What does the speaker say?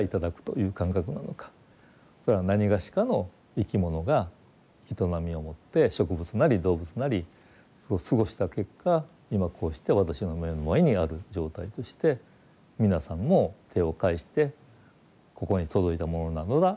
それはなにがしかの生き物が営みをもって植物なり動物なりそう過ごした結果今こうして私の目の前にある状態として皆さんも手を介してここに届いたものなのだ。